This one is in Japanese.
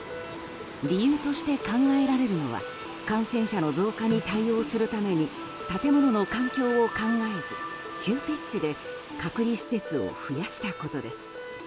理由として考えられるのは感染者の増加に対応するために建物の環境を考えず急ピッチで隔離施設を増やしたことです。